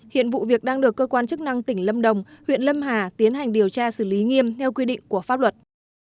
hiện vụ việc đang được cơ quan chức năng tỉnh lâm đồng huyện lâm hà tiến hành điều tra xử lý nghiêm theo quy định của pháp luật